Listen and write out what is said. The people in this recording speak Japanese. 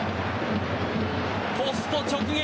ポスト直撃。